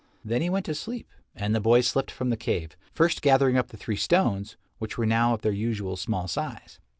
Then he went to sleep, and the boy slipped from the cave, first gathering up the three stones, which were now of their usual small size.